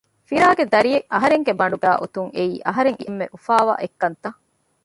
ފިރާގެ ދަރިއެއް އަހަރެންގެ ބަނޑުގައި އޮތުން އެއީ އަހަރެން އެންމެ އުފާވާ އެއްކަންތައް